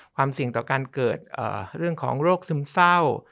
ความเสี่ยงต่อการเกิดเรื่องของโรคซึมเศร้า